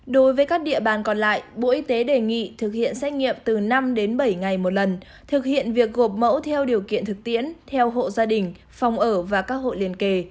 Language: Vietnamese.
đối với các địa bàn còn lại bộ y tế đề nghị thực hiện xét nghiệm từ năm đến bảy ngày một lần thực hiện việc gộp mẫu theo điều kiện thực tiễn theo hộ gia đình phòng ở và các hộ liên kề